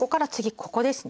ここですね。